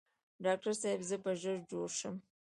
ډاکټر صاحب زه به ژر جوړ شم؟